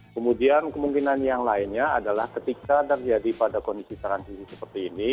kemudian kemungkinan yang lainnya adalah ketika terjadi pada kondisi transisi seperti ini